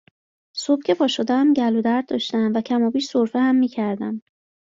صبح که پاشدم گلو درد داشتم و کمابیش سرفه هم میکردم